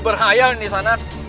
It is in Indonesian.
mau mampir aku